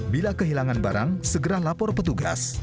bila kehilangan barang segera lapor petugas